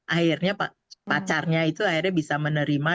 akhirnya pacarnya itu akhirnya bisa menerima